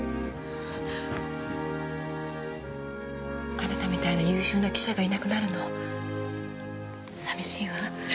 あなたみたいな優秀な記者がいなくなるの寂しいわ。